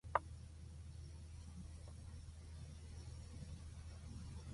그리고 나프탈린의 독한 내가 한층더 그의 숨을 꾹 막아 주는 듯하였다.